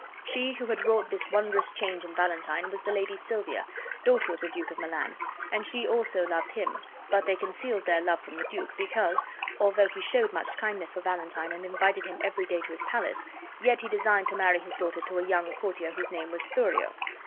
She who had wrought this wondrous change in Valentine was the Lady Silvia, daughter of the Duke of Milan, and she also loved him; but they concealed their love from the duke, because, although he showed much kindness for Valentine and invited him every day to his palace, yet he designed to marry his daughter to a young courtier whose name was Thurio.